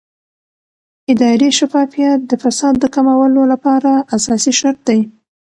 اداري شفافیت د فساد د کمولو لپاره اساسي شرط دی